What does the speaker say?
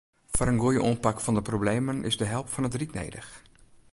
Foar in goeie oanpak fan de problemen is de help fan it ryk nedich.